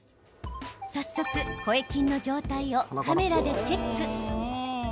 早速、声筋の状態をカメラでチェック。